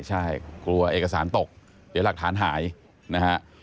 ใช่กลัวเอกสารตกเดี๋ยวหลักฐานหายนะฮะ